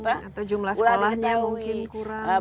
atau jumlah sekolahnya mungkin kurang